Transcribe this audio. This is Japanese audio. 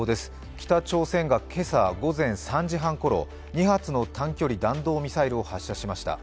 北朝鮮が今朝午前３時半ころ、２発の短距離弾道ミサイルを発射しました。